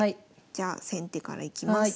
じゃあ先手からいきます。